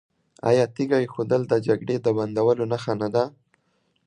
آیا تیږه ایښودل د جګړې د بندولو نښه نه ده؟